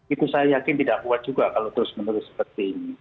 itu saya yakin tidak kuat juga kalau terus menerus seperti ini